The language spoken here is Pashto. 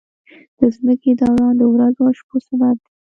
د ځمکې دوران د ورځو او شپو سبب دی.